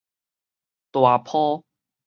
大坡